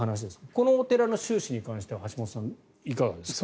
このお寺の収支に関しては橋本さん、いかがですか？